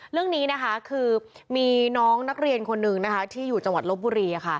เรื่องนี้นะคะคือมีน้องนักเรียนคนหนึ่งที่อยู่จังหวัดลบบุรี